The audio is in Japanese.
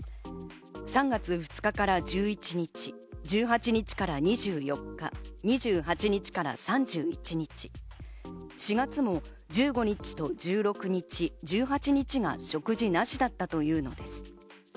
３月２日から１１日、１８日から２４日、２８日から３１日、４月も１５日と１６日、１８日が食事なしだったというのです。